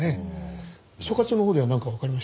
所轄のほうではなんかわかりました？